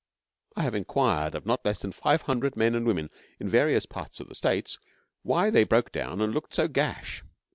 I have inquired of not less than five hundred men and women in various parts of the States why they broke down and looked so gash.